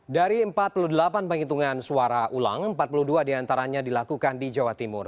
dari empat puluh delapan penghitungan suara ulang empat puluh dua diantaranya dilakukan di jawa timur